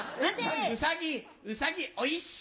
ウサギウサギ追いし！